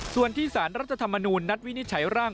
ส่วนที่สารรัฐธรรมนูญนัดวินิจฉัยร่าง